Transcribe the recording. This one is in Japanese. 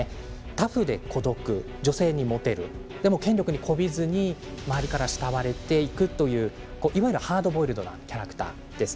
タフで孤独、女性にモテるでも権力にこびずに周りから慕われていくといういわゆるハードボイルドなキャラクターです。